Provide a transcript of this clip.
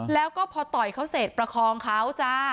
แล้วก็พอต่อยเขาเสร็จประคองเขาจ้า